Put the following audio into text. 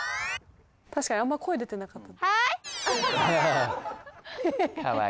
確かにあんま声出てなかった。